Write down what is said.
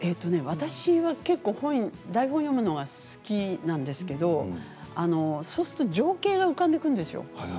私は台本を読むのが好きなんですけれどそうすると情景が浮かんでくるんですよ